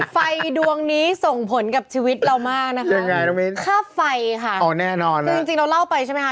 ไฟดวงนี้ส่งผลกับชีวิตเรามากนะคะค่าไฟค่ะคือจริงเราเล่าไปใช่ไหมคะ